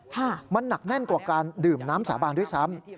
ค่ะมันหนักแน่นกว่าการดื่มน้ำสาบานด้วยซ้ำ